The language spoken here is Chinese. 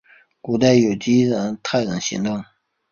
古代有斯基泰人活动。